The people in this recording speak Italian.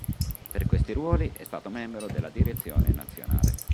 Per questi ruoli è stato membro della Direzione nazionale.